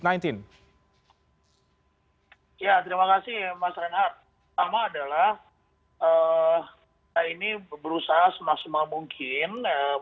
ya terima kasih mas renhard